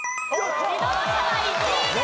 自動車は１位です。